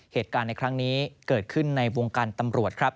เหตุการณ์ในครั้งนี้เกิดขึ้นในวงการตำรวจครับ